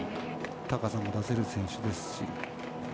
高さも出せる選手ですし。